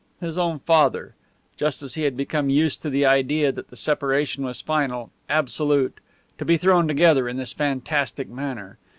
His own father! Just as he had become used to the idea that the separation was final, absolute, to be thrown together in this fantastic manner!